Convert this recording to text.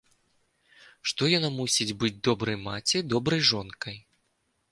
Што яна мусіць быць добрай маці, добрай жонкай.